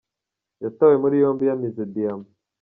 Yatawe muri yombi yamize diyama